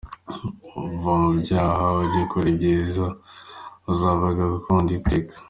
Va mu byaha ujye ukora ibyiza, Uzaba gakondo iteka.